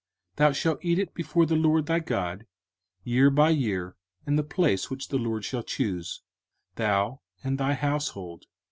05:015:020 Thou shalt eat it before the LORD thy God year by year in the place which the LORD shall choose, thou and thy household.